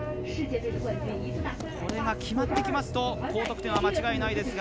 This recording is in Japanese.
これがきまってきますと高得点は間違いない。